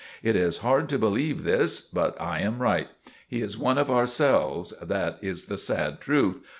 It is hard to believe this, but I am right. He is one of ourselves; that is the sad truth.